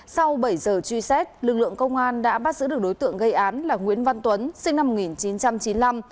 sau bảy giờ truy xét lực lượng công an đã bắt giữ được đối tượng gây án là nguyễn văn tuấn sinh năm một nghìn chín trăm chín mươi năm